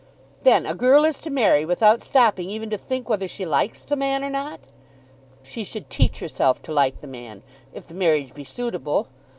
"Then a girl is to marry without stopping even to think whether she likes the man or not?" "She should teach herself to like the man, if the marriage be suitable.